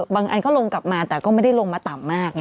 อันก็ลงกลับมาแต่ก็ไม่ได้ลงมาต่ำมาก